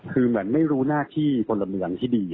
คือเหมือนไม่รู้หน้าที่พลเมืองที่ดี